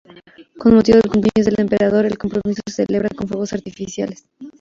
Con motivo del cumpleaños del emperador, el compromiso se celebra con fuegos artificiales.